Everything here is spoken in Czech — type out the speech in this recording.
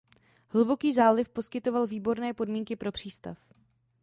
Hluboký záliv poskytoval výborné podmínky pro přístav.